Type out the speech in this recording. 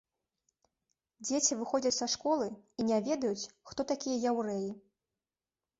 Дзеці выходзяць са школы і не ведаюць, хто такія яўрэі.